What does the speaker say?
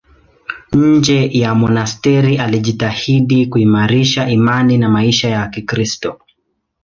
Nje ya monasteri alijitahidi kuimarisha imani na maisha ya Kikristo.